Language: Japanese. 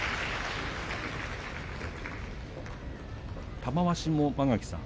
玉鷲も間垣さん